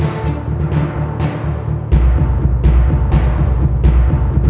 ร้องได้ครับ